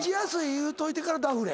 言うといてからダフれ。